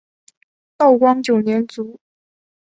道光九年卒。